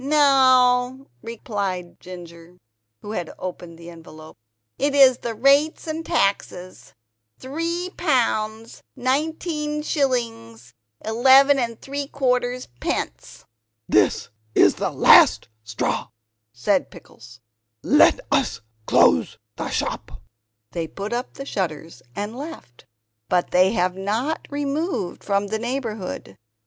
"No," replied Ginger, who had opened the envelope, "it is the rates and taxes, 3 pounds 19 11 3/4." [pounds are British money, the 19 is schillings, and then pence] "This is the last straw," said Pickles, "let us close the shop." They put up the shutters, and left. But they have not removed from the neighborhood.